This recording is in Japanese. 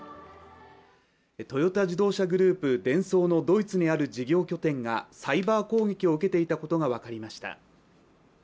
トヨタ自動車グループ・デンソーのドイツにある事業拠点がサイバー攻撃を受けていたことが分かりました。